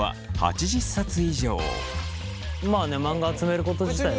まあねマンガ集めること自体は。